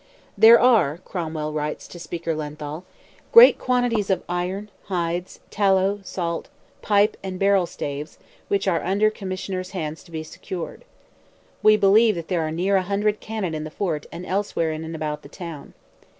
"There are," Cromwell writes to Speaker Lenthall, "great quantities of iron, hides, tallow, salt, pipe and barrel staves, which are under commissioners' hands to be secured. We believe there are near a hundred cannon in the fort and elsewhere in and about the town.